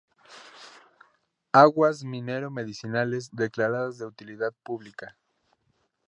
Aguas Minero Medicinales declaradas de Utilidad Pública.